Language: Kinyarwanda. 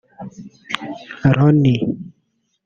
Ronnie